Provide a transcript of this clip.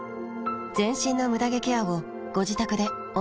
全身のムダ毛ケアをご自宅で思う存分。